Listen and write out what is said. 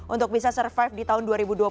untuk bisa survive di tahun dua ribu dua puluh